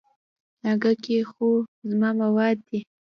اگه کې خو زما مواد دي.